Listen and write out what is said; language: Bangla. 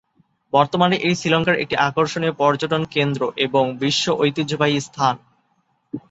বর্তমানে এটি শ্রীলংকার একটি আকর্ষণীয় পর্যটন কেন্দ্র এবং বিশ্ব ঐতিহ্যবাহী স্থান।